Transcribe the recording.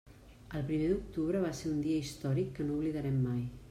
El primer d'octubre va ser un dia històric que no oblidarem mai.